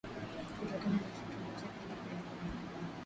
kutokana na shutuma zake dhidi ya Rwanda